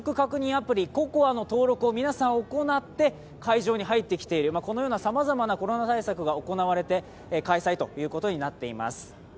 アプリＣＯＣＯＡの登録を皆さん行って、会場に入ってきている、このようなさまざまなコロナ対策が行われて開催となっています。